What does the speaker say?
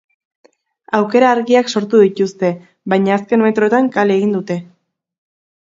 Aukera argiak sortu dituzte, baina azken metroetan kale egin dute.